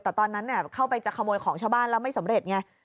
แต่ตอนนั้นเข้าไปจะขโมยของชาวบ้านแล้วไม่สำเร็จไง